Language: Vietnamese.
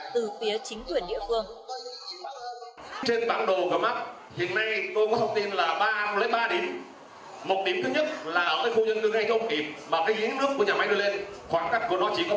từ phía chính quyền địa phương